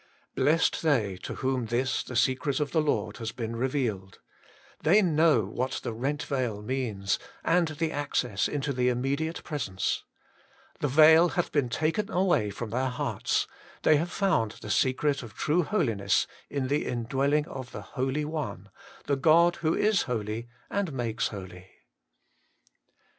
Blessed they to whom this, the secret of the Lord, has been revealed. They know what the rent veil means, 78 HOLY IN CHKIST. and the access into the immediate Presence. The veil hath been taken away from their hearts : they have found the secret of true holiness in the In dwelling of the Holy One, the God who is holy and makes holy.